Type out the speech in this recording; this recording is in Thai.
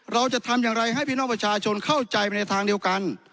เราจะทำอย่างไรให้พี่น้องประชาชนเข้าใจไปในทางเดียวกัน